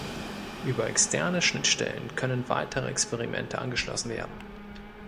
Über externe Schnittstellen können weitere Experimente angeschlossen werden.